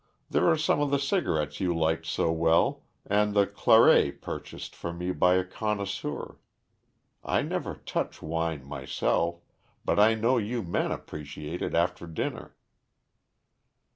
There are some of the cigarettes you liked so well and the claret purchased for me by a connoisseur. I never touch wine myself, but I know you men appreciate it after dinner."